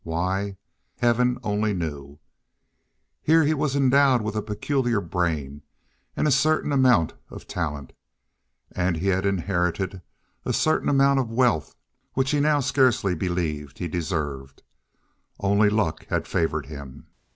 Why? Heaven only knew. Here he was endowed with a peculiar brain and a certain amount of talent, and he had inherited a certain amount of wealth which he now scarcely believed he deserved, only luck had favored him.